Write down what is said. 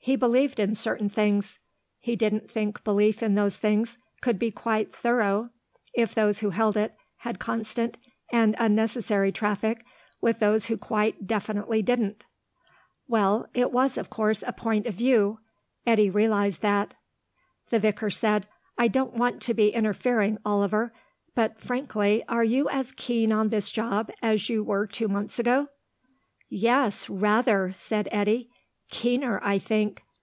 He believed in certain things. He didn't think belief in those things could be quite thorough if those who held it had constant and unnecessary traffic with those who quite definitely didn't. Well, it was of course a point of view; Eddy realised that. The vicar said, "I don't want to be interfering, Oliver. But, frankly, are you as keen on this job as you were two months ago?" "Yes, rather," said Eddy. "Keener, I think.